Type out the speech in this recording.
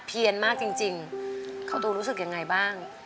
เพียนมากจริงเขาดูรู้สึกยังไงบ้าง